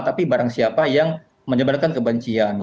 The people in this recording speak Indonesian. tapi barang siapa yang menyebarkan kebencian